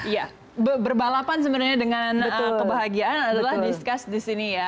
ya berbalapan sebenarnya dengan kebahagiaan adalah discuss di sini ya